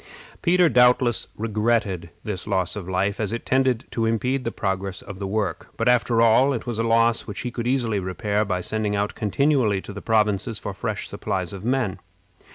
Peter doubtless regretted this loss of life, as it tended to impede the progress of the work; but, after all, it was a loss which he could easily repair by sending out continually to the provinces for fresh supplies of men.